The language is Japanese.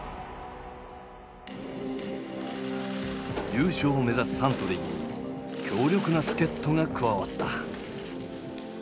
優勝を目指すサントリーに強力な助っとが加わった。